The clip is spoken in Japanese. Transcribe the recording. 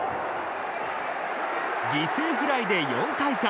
犠牲フライで４対３。